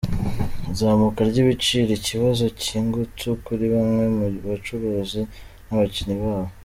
Izamuka ry’ibiciro, ikibazo cy’ingutu kuri bamwe mu bacuruzi n’abakiliya babo.